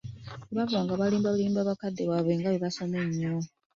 Bwe bava awo nga balimbalimba bakadde baabwe nga bwe basoma ennyo